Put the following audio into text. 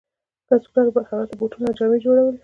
کسبګرو به هغو ته بوټونه او جامې جوړولې.